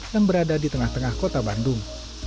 yang berada di tengah tengah kota bandung